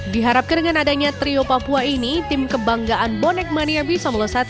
diharapkan dengan adanya trio papua ini tim kebanggaan bonek mania bisa melesat